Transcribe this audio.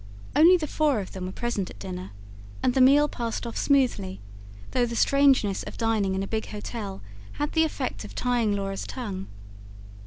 Only the four of them were present at dinner, and the meal passed off smoothly; though the strangeness of dining in a big hotel had the effect of tying Laura's tongue.